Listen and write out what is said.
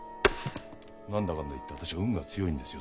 何だかんだ言って私は運が強いんですよ。